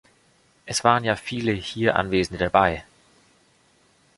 Es waren ja viele hier Anwesende dabei.